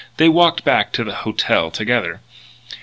They walked back to the "hotel" together.